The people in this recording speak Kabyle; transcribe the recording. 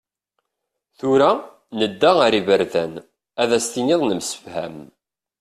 Tura, nedda ar yiberdan, Ad as-tiniḍ nemsefham.